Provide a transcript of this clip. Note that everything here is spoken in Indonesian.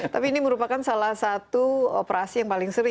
tapi ini merupakan salah satu operasi yang paling sering